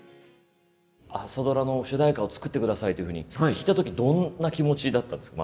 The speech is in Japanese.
「朝ドラ」の主題歌を作ってくださいというふうに聞いた時どんな気持ちだったんですか？